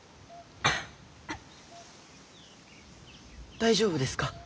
大丈夫ですか？